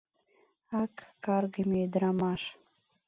Ак, каргыме ӱдырамаш!